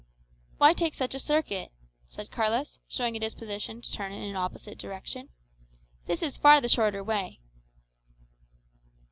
"Why take such a circuit?" said Carlos, showing a disposition to turn in an opposite direction. "This is far the shorter way."